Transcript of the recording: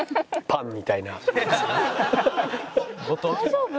「大丈夫？」